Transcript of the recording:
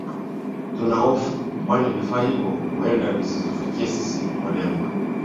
Tuna hofu kwani vifaa hivyo huenda visitufike sisi walengwa